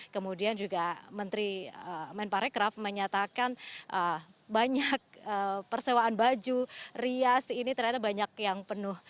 kemudian juga menteri men parekraf menyatakan banyak persewaan baju rias ini ternyata banyak yang penuh